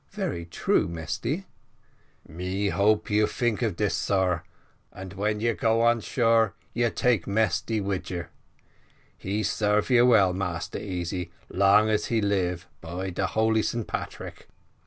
"Very true, Mesty." "Me hope you tink of this, sar, and when you go on shore, you take Mesty wid you: he sarve you well, Massa Easy, long as he live, by de holy St. Patrick.